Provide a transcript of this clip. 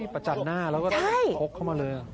ประจันหน้าแล้วก็ชกเข้ามาเลย